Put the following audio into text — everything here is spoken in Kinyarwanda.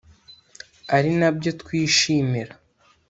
ari nabyo twishimira